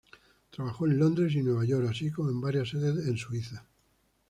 Trabajó en Londres y Nueva York, así como en varias sedes en Suiza.